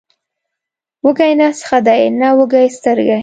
وږی نس ښه دی، نه وږې سترګې.